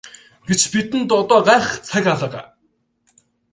Гэвч бидэнд одоо гайхах цаг алга.